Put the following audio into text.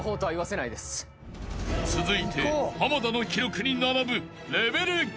［続いて濱田の記録に並ぶ］